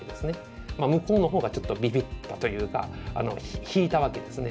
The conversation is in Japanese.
向こうの方がちょっとビビったというか引いたわけですね。